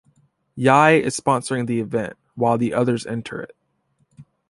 Yai is sponsoring the event while the others enter it.